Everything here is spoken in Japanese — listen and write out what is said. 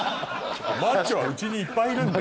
「マッチョはうちにいっぱいいるんで」